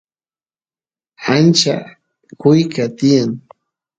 acha kuyqa tiyan